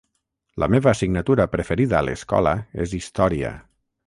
La meva assignatura preferida a l'escola és història.